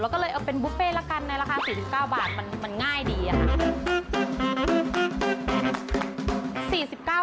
แล้วก็เลยเอาเป็นบุฟเฟ่ละกันในราคา๔๙บาทมันง่ายดีค่ะ